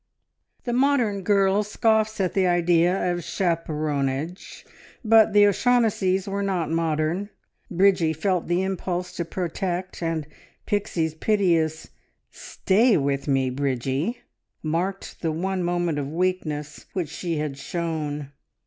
The modern girl scoffs at the idea of chaperonage, but the O'Shaughnessys were not modern. Bridgie felt the impulse to protect, and Pixie's piteous "Stay with me, Bridgie!" marked the one moment of weakness which she had shown.